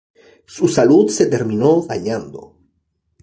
Su salud se terminó dañando.